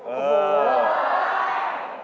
เออเต๋อเต๋อ